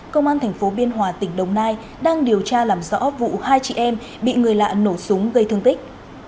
công an thành phố biên hòa tỉnh đồng nai đang điều tra làm rõ vụ hai chị em bị người lạ nổ súng gây thương tích